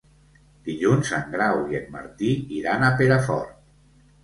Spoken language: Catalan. Dilluns en Grau i en Martí iran a Perafort.